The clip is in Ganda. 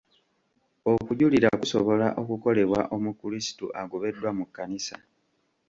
Okujulira kusobola okukolebwa omukrisitu agobeddwa mu kkanisa.